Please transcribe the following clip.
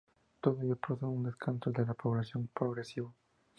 Todo ello produce un descenso de la población progresivo.